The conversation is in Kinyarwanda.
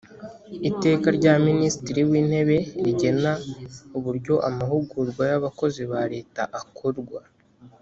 iteka rya minisitiri w intebe rigena uburyo amahugurwa y abakozi ba leta akorwa